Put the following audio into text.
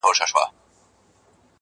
چي شال يې لوند سي د شړۍ مهتاجه سينه.